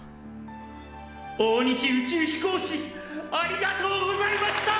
大西宇宙飛行士ありがとうございました！